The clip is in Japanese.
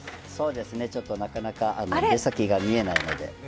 そうですね、なかなか出先が見えないので。